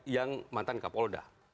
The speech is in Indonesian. yang mantan kak polda